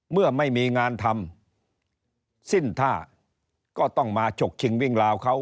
เมื่อไม่มีงานทำสิ้นท่าก็ต้องมาฉกชิงวิ่งราวเขา